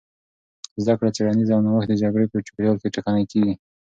زدهکړه، څېړنه او نوښت د جګړې په چاپېریال کې ټکنۍ کېږي.